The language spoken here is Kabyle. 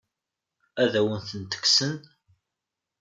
Ad akent-tent-kksen?